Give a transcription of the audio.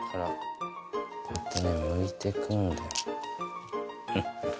こうやってねむいて食うんだよ。